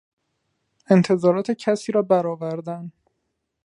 انتظارات کسی را برآوردن